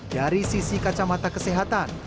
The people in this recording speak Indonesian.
dari sisi kacamata kesehatan